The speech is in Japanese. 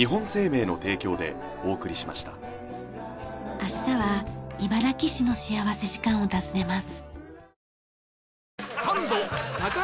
明日は茨木市の幸福時間を訪ねます。